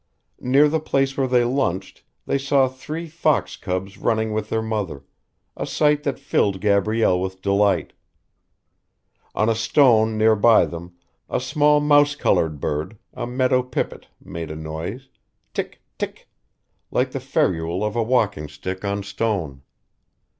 Near the place where they lunched they saw three fox cubs running with their mother, a sight that filled Gabrielle with delight. On a stone near by them a small mouse coloured bird, a meadow pipit, made a noise, tick tick, like the ferrule of a walking stick on stone.